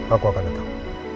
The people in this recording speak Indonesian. aku akan datang